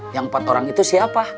yang empat orang itu siapa